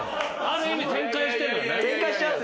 ある意味展開してるよね。